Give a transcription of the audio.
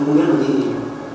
chứ bà vị can cũng biết